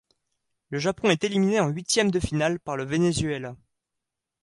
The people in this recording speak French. Le Japon est éliminé en huitièmes de finale par le Venezuela.